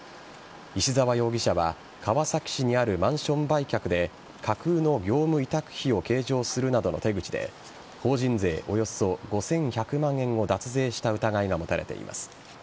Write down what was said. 石沢容疑者は川崎市にあるマンション売却で架空の業務委託費を計上するなどの手口で法人税およそ５１００万円を脱税した疑いが持たれています。